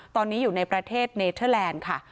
ตอนนี้อยู่ในประเทศเนเทอร์แลนด์ค่ะ